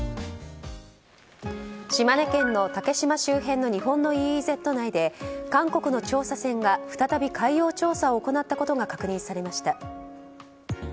島根県の竹島周辺の日本のＥＥＺ内で韓国の調査船が再び海洋調査を行ったことが確認されました。